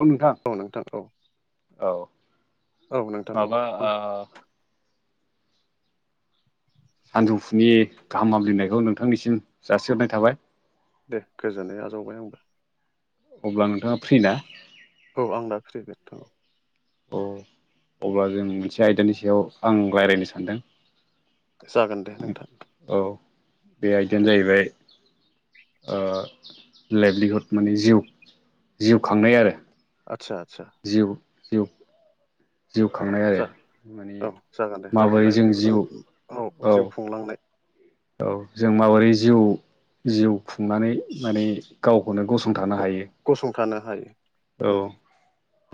औ नोंथां औ औ नोंथां औ माबा आं सानजौफुनि गाहाम हामलायनायखौ नोंथांनिसिम जासिहरनाय थाबाय दे गोजोनै आजावबाय आंबो अब्ला नोंथाङा फ्रि ना औ आं दा फ्रि नोंथां अब्ला जों मोनसे आयदानि सायाव आं रायज्लायनो सानदों जागोन दे नोंथां औ बे आयदायानो जाहैबाय लाइभलि हुद माने जिउ जिउ खांनाय आरो आतसा आतसा जिउ जिउ जिउ खांनायाव औ जागोन दे जों लाइभलिहुद जिउ माने औ जिउ खुंलांनाय औ जों माबोरै जिउ जिउ खुंनानै माने गावखौनो गसंथानो हायो गसंथानो हायो औ उम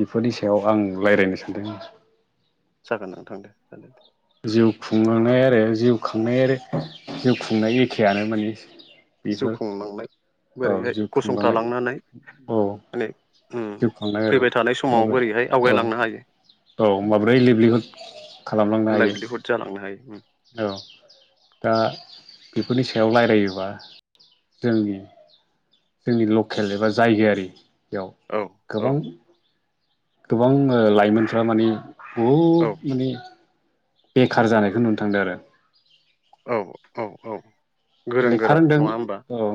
बेफोरनि सायाव आं रायज्लायनो सानदों जागोन नोंथां दे जागोन दे जिउ खुंनाय आरो जिउ खांनाय आरो जिउ खुंनाय एखेयानो माने दे जिउ बेफोर खुंलांनाय औ बोरैहाय जिउ खुंलांनाय गसंथालांनानै औ माने उम जिउ खांनाय आरो फैबाय थानाय समाव बोरैहाय माबाया औ आवगायलांनो हायो औ माब्रै लेभलिहुद खालामलांनो हायो लाइभलिहुड जालांनो हायो औ दा बेफोरनि सायाव रायलायोबा जोंनि जोंनि लकेल एबा जायगायारि बेयाव औ औ गोबां गोबां लाइमोनफ्रा माने औ बहुद माने बेखार जानायखौ नुनो थांदों आरो औ-औ-औ लेखा रोंदों औ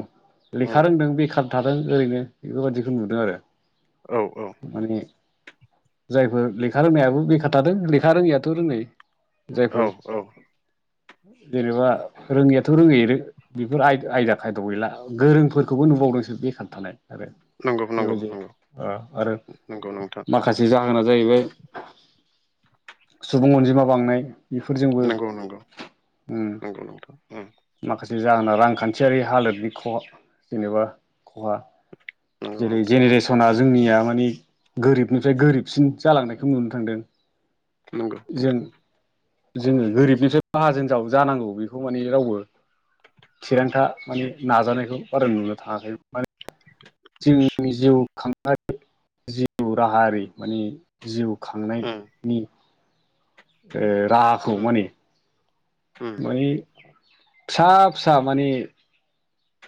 उम लेखा रोंदों बेखार थादों ओरैनो बेफोरबायदिखौ नुदों आरो औ-औ माने जायफोर लेखा रोंनायाबो बेखा थादों लेखा रोङैयाथ' रोङै जायफोर औ औ जेनेबा रोङैयाथ' रोङै बेफोर आयदा खायद' गैला गोरोंफोरखौबो नुबावदोंसो बेखार थानाय आरो नंगौ नंगौ बेबायदि नंगौ आरो नंगौ नोंथां माखासे जाहोना जाहैबाय सुबुं अनजिमा बांनाय बेफोरजोंबो नंगौ नंगौ ओम नंगौ नोंथां उम माखासे जाहोना रांखान्थियारि हालोदनि ख जेनेबा खहा नंगौ जेरै नोंथां उम जेनेरेसना जोंनिया माने गोरिबनिफ्राय गोरिबसिन जालांनायखौ नुनो थांदों नंगौ जों नोंथां जोङो गोरिबनिफ्राय माहाजोन जाव जानांगौ बेखौ माने रावबो थिरांथा माने नाजानायखौ बारा नुनो थाङाखै माने [inaudible] जोंनि जिउ खांनाय जिउ राहा माने जिउ उम खांनायनि ओ राहाखौ उम माने उम मोनै फिसा फिसा माने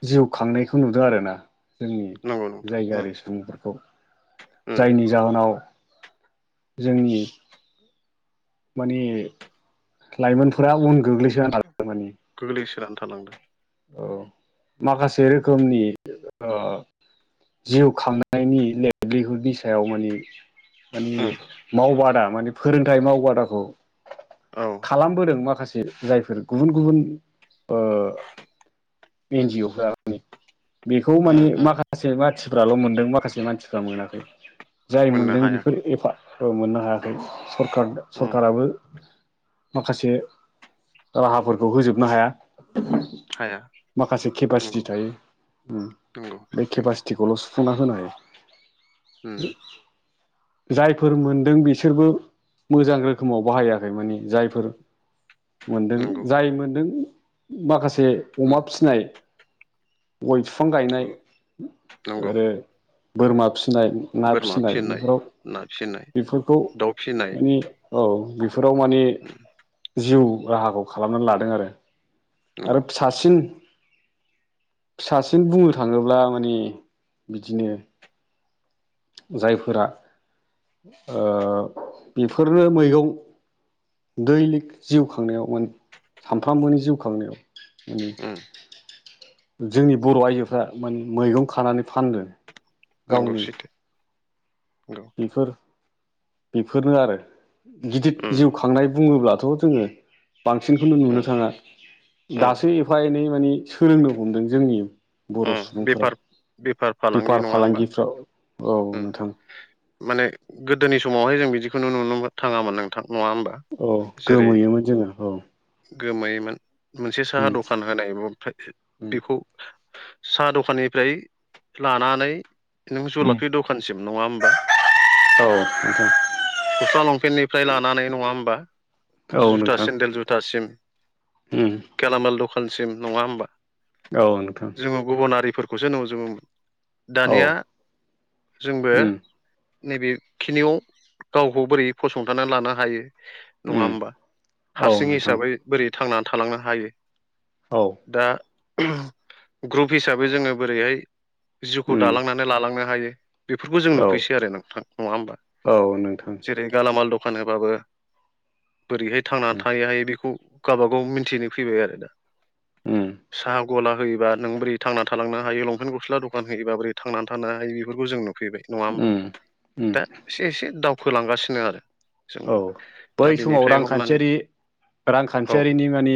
जिउ खांनायखौ नुदों आरोना जोंनि नंगौ नोंथां उम जायगायारि सुबुंफोरखौ उम जायनि जाहोनाव जोंनि माने लाइमोनफोरा उन गोग्लैसोना था मानि गोग्लैसोनानै थालांदों औ माखासे रोखोमनि आ जिउ खांनायनि लेभलिहुदनि सायाव माने मानि उम मावबादा माने फोरोंथाइ मावबादाखौ औ खालामबोदों माखासे जायफोर गुबुन गुबुन एन जिअ माने बेखौ माने उम उम माखासे मानसिफ्राल' मोनदों माखासे मानसिफ्रा मोनाखै जाय मोननो मोनदों हायाखै बेफोर एफा मोननो हायाखै सरखार उम सरखाराबो माखासे राहाफोरखौ होजोबनो हाया हाया माखासे केपासिटि नंगौ थायो नंगौ बे सैथो केपासिटिखौल' सुफुंना होनाय उम जायफोर मोनदों बिसोरबो मोजां रोखोमाव बाहायाखै माने जायफोर मोनदों नंगौ जाय मोनदों माखासे उम अमा फिनाय गय फिफां गायनाय नंगौ आरो बोरमा फिनाय ना बोरमा फिसिनाय बेफोराव ना फिसिनाय बेफोरखौ दाउ फिसिनाय माने औ बेफोराव माने उम जिउ राहाखौ खालामनानै लादों आरो। आरो नंगौ सासिन फिसासिन बुंनो थाङोब्ला माने बिदिनो जायफोरा ओ बेफोरनो मैगं दैलिग जिउ खांनायाव माने सामफ्रामबोनि जिउ खांनायाव उम जोंनि बर' आइजोफ्रा मान मैगं खानानै फानदों। नंगौ सैथो नोंगौ। बेफोर बेफोरनो आरो उम गिदिर जिउ खांनाय बुङोब्लाथ' जोङो बांसिनखौनो उम नुनो थाङा उम दासो एफा- एनै माने सोलोंनो हमदों जोंनि। बर' उम सुबुंफोरा बेफार बेफार फालांगि बेफार नङा होमबा फालांगिफ्राव औ उम नोंथां। माने गोदोनि समावहाय जों बिदिखौनो नु- नुनो थाङामोन नोंथां नङा होमबा औ गोमोयोमोन जोङो औ। गोमायोमोन मोनसे साहा उम दखान होनाय [inaudible] उम बेखौ साहा दखाननिफ्राय लानानै नों जुलाफि दखानसिम नङा होमबा। [inaudible] औ नोंथां। गस्ला लंपेन्टनिफ्राय लानानै नङा होमबा। औ जुथा नोंथां सेन्देल जुथासिम उम गेलामाल दखानसिम नङा होमबा। औ नोंथां। जोङो गुबुन हारिफोरखौसो नुजोबोमोन औ दानिया जोंबो उम नैबेखिनियाव गावखौ बोरै फसंथाना लानो हायो नङा उम होमबा औ हारसिं नोंथां हिसाबै बोरै थांनानै थालांनो हायो औ। दा [inaudible] ग्रुप हिसाबै जोङो बोरैहाय जिउखौ उम दालांनानै लालांनो हायो। बेफोरखौ जों औ नुफैसै आरो नोंथां नङा होमबा औ नोंथां जेरै गालामाल दखान होबाबो बोरैहाय थांनानै उम थायो हायो बेखौ गाबागाव मोनथिनो फैबाय आरो दा। उम साहा गला होयोबा नों बोरै थांनानै थालांनो हायो लंपेन्ट गस्ला दखान होयोबा बोरै थांनानै थानो हायो बेफोरखौ जों नुफैबाय। नङा होमबा उम उम दा एसे एसे दावखोलांगासिनो आरो। औ जोंबो बै दा समाव बेनिफ्राय हमनानै रांखान्थियारि औ रांखान्थियारिनि मानि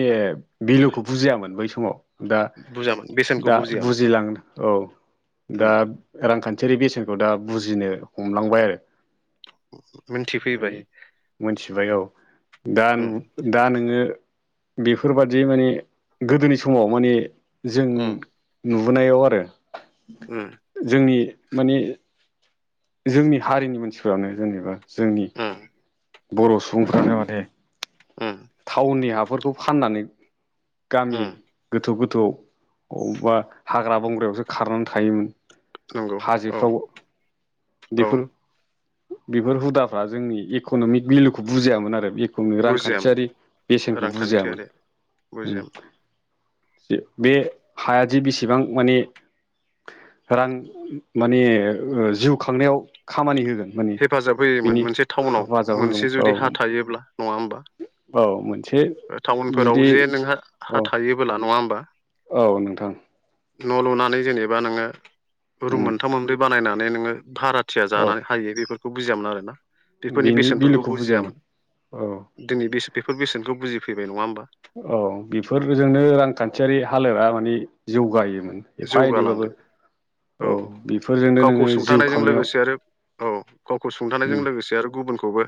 भिलुखौ बुजियामोन बै समाव। दा बुजामोन बेसेनखौ दा बुजियामोन बुजिलांनो औ उम दा रांखान्थियारि बेसेनखौ दा बुजिनो हमलांबाय आरो। मिनथिफैबाय। मिथिबाय औ दा दा नोङो बेफोर बादि माने गोदोनि समाव माने जों उम नुबोनायाव आरो। उम। जोंनि माने जोंनि हारिनि मानसिफ्रानो जेनेबा जोंनि उम बर' सुबुंफ्रानो माने ओम। थाउननि हाफोरखौ फाननानै गामि उम गोथौ गोथौआव अबावबा हाग्रा बंग्रायावसो खारनानै थायोमोन। नंगौ औ हाजोफ्राव औ बेफोर बेफोर हुदाफ्रा जोंनि इक'नमिक भेलुखौ बुजियामोन आरो इक'नमिक बुजियामोन रांखान्थियारि बेसेनखौ बुजियामोन। रांखान्थियारि उम बुजिम बे हायादि बेसेबां माने रां माने जिउ खांनायाव खामानि होगोन माने हेफाजाब होयोमोन बिनि मोनसे टाउनाव हेफाजाब होगोन मोनसे औ जुदि हा थायोब्ला नङा होमबा? औ मोनसे टाउनफोराव जुदि जे नोंहा औ हा थायोबोला नङा होमबा? औ नोंथां। न' लुनानै जेनेबा नोङो रुम उम मोनथाम मोनब्रै बानायनानै नोङो भारा थिया औ जानानै हायो बेफोरखौ बुजियामोन आरो ना बेफोरनि बेनि बेसेनफोरखौ भेलुखौ बुजियामोन। औ दिनै बे-बेफोर बेसेनखौ बुजिफैबाय नङा होमबा? औ बेफोरजोंनो रांखान्थियारि हालोदा माने जौगायोमोन। एफा एनैबाबो जौगालाङो। औ बि गावखौ सुंथानायजों लोगोसे आरो औ गावखौ उम सुंथानायजों लोगोसे आरो गुबुनखौबो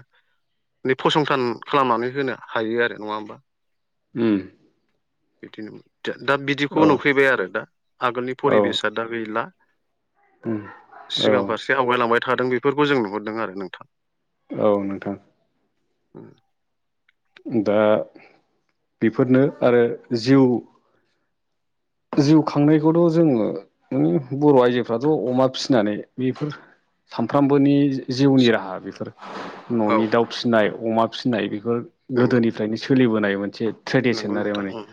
फसंथान खालामनानै होनो हायो आरो नङा होमबा? उम बिदिनो दा बिदिखौ औ नुफैबाय आरो दा आगोलनि औ परिबेस दा गैला उम औ सिगां फारसे आवगायलांबाय थादों बेफोरखौ जों नुहुरदों आरो नोंथां। औ नोंथां। [inaudible] दा बेफोरनो आरो जिउ जिउ खांनायखौथ' जोङो माने बर' आइजोफ्राथ' अमा फिसिनानै बेफोर सानफ्रामबोनि जिउनि राहा बेफोर। औ न'नि दाउ फिसिनाय अमा फिसिनाय बेफोर नंगौ गोदोनिफ्रायनो सोलिबोनाय मोनसे ट्रेडिसन नंगौ आरो नोंथां माने उम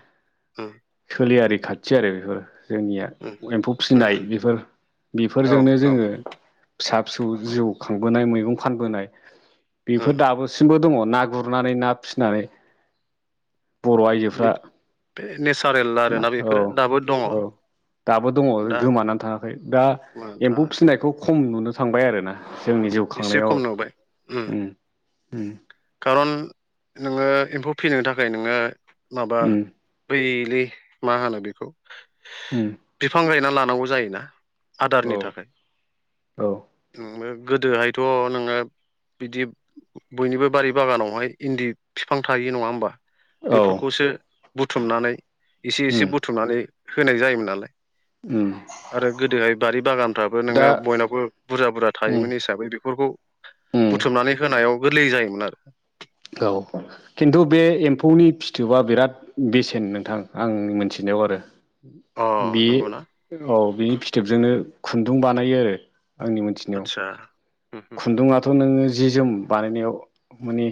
उम सोलियारि खाथि आरो बेफोरो। जोंनिया उम एम्फौ उम फिसिनाय बेफोर औ बेफोरजोंनो औ जोङो फिसा फिसौ जिउ खांबोनाय मैगं फानबोनाय बेफोर उम दाबो सिमबो दङ ना गुरनानै ना फिसिनानै बर' आयजोफ्रा बे नेचारेल आरोना बेफोरो दाबो दङ। औ दाबो दङ दा गोमानानै थाङाखै दा गोमानानै एम्फौ थाङाखै फिसिनायखौ खम नुनो थांबाय आरो ना। जोंनि जिउ एसे खांनायाव खम नुबाय उम उम खारन नोङो एम्फौ फिनो थाखाय नोङो माबा उम बैलि मा होनो बेखौ उम बिफां गायना लानांगौ जायोना। आदारनि औ थाखाय। औ [unintelligible] गोदोहायथ' नोङो बिदि बयनिबो बारि बागानावहाय इन्दि फिफां थायो नङा होमबा? औ बेफोरखौसो बुथुमनानै एसे एसे उम बुथुमनानै होनाय जायोमोन नालाय। उम आरो गोदोहाय बारि बागानफ्राबो दा नोङो बयनावबो बुरजा बुरजा उम थायोमोन हिसाबै बेफोरखौ उम बुथुमनानै होनायाव गोरलै जायोमोन आरो। औ खिन्थु बे एम्फौनि फिथोबआ बिराद बेसेन नोंथां आंनि मोनथिनायाव आरो। अ बे नंगौना औ बेनि फिथोबजोंनो खुन्दुं बानायो आरो आंनि मोनथि आतसा उम खुन्दुङाथ' नोङो जि जोम बानायनायाव माने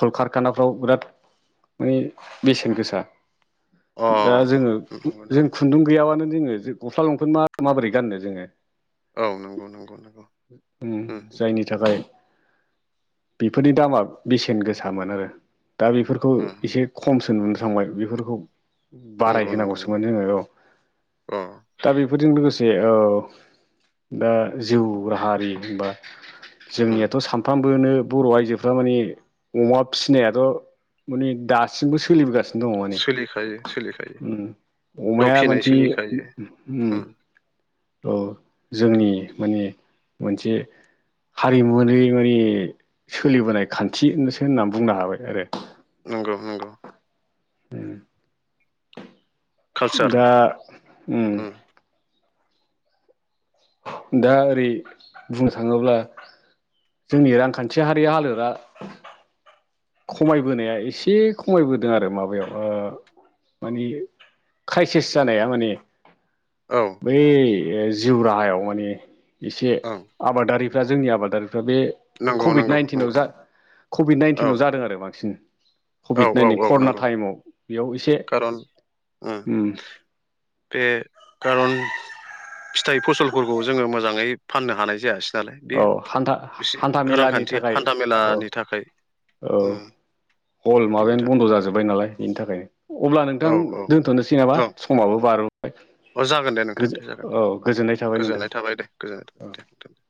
कल कारखानाफ्राव बिराद माने बेसेन गोसा। अ दा जोङो जों नंगौना [unintelligible] खुन्दुं गैयाबानो जोङो गस्ला लंफ माबोरै गाननो जोङो औ नंगौ नंगौ नंगौ उम जायनि थाखाय बेफोरनि दामा बेसेन गोसामोन आरो दा बेफोरखौ उम एसे खमसो नुनो थांबाय बेफोरखौ बाराय नंगौ नंगौ नंगौ होनांगौसोमोन जोङो औ अ दा बेफोरजों लोगोसे औ दा जिउ राहारि बा उम जोंनियाथ' सामफ्राम बोनो बर' आइजोफ्रा माने अमा फिसिनायाथ' माने दासिमबो सोलिबोगासिनो दङ माने सोलिखायो सोलिखायो उम दाउ अमाया फिनाय मानसि सोलिखायो उम औ जोंनि माने मोनसे हारिमुवारि माने सोलिबोनाय खान्थिसो होननानै बुंनो हाबाय आरो नंगौ नंगौ [inaudible] कालचार दा उम दा ओरै बुंनो थाङोब्ला जोंनि रांखान्थि हारि हालोदा खमायबोनाया एसे खमायबोदों आरो माबायाव ओ माने क्राइसेस जानाया माने औ बै जिउ राहायाव माने एसे ओं आबादारिफ्रा जोंनि आबादारिफ्रा बे नंगौ कभिड नंगौ नाइन्टिनाव नंगौ जा कभिड नाइन्टिन औ [unintelligible] बांसिन कभि नटिन करना टाइमावयाव बेयाव एसे कारन उम बे कारन फिथाइ फसलफोरखौ जोङो मोजाङै फाननो हानाय जायासै दालाय बे औ हान्था एसे हान्था मेलानि रांखान्थिया थाखाय हान्था औ मेलानि थाखाय औ उम हल बिनि माबायानो बन्द' थाखाय जाजोब्बाय नालाय इन्टरनेट अब्ला औ नोंथां औ दोनथ'नोसै नामा औ समाबो बारबोबाय अ जागोन दे गो नोंथां औ गोजोननाय थाबाय नोंथां औ गोजोनथों [unintelligible]